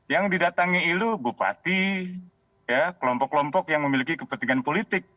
yang didatangi itu bupati kelompok kelompok yang memiliki kepentingan politik